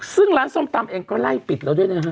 ซึ่งร้านส้มตำเองก็ไล่ปิดแล้วด้วยนะฮะ